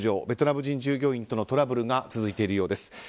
ベトナム人従業員とのトラブルが続いているようです。